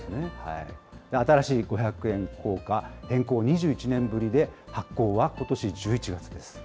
新しい五百円硬貨、変更は２１年ぶりで発行はことし１１月です。